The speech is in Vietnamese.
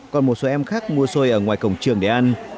các em khác mua xôi ở ngoài cổng trường để ăn